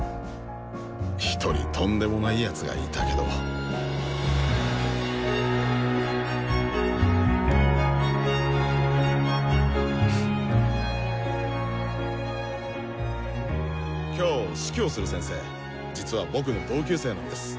１人とんでもない奴がいたけど今日指揮をする先生実は僕の同級生なんです。